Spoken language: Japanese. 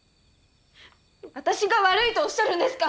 私が悪いとおっしゃるんですか！？